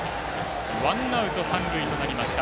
ワンアウト、三塁となりました。